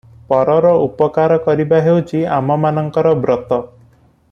ପରର ଉପକାର କରିବା ହେଉଛି ଆମମାନଙ୍କର ବ୍ରତ ।